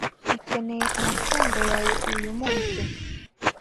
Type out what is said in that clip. ukeneye amafaranga yawe uyu munsi.